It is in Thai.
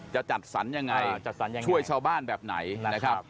จะจัดสรรยังไงจัดสรรยังไงช่วยชาวบ้านแบบไหนนะครับ